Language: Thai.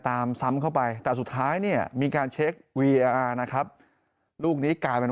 ตามซ้ำเข้าไปแต่สุดท้ายเนี่ยมีการนะครับลูกนี้กลายเป็น